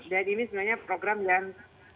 dan ini sebenarnya program yang